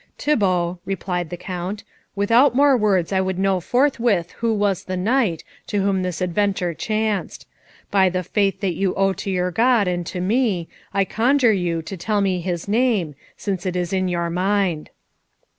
"Thibault," replied the Count, "without more words I would know forthwith who was the knight to whom this adventure chanced. By the faith that you owe to your God and to me, I conjure you to tell me his name, since it is in your mind."